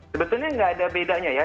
sebetulnya nggak ada bedanya ya